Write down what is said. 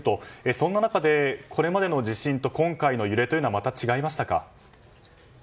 そんな中でこれまでの地震と今回の揺れというのはまた違いましたか？